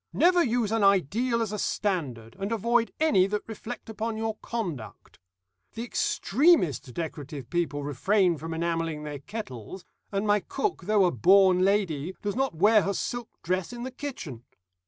Never use an ideal as a standard, and avoid any that reflect upon your conduct. The extremest decorative people refrain from enamelling their kettles, and my cook though a 'born lady' does not wear her silk dress in the kitchen.